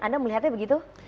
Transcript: anda melihatnya begitu